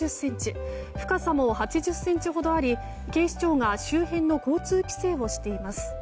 深さも８０ｃｍほどあり警視庁が周辺の交通規制をしています。